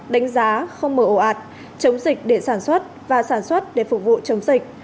đánh giá không mở ổ ạt chống dịch để sản xuất và sản xuất để phục vụ chống dịch